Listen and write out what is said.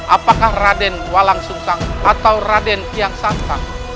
apakah raden walang sungsang atau raden kian santang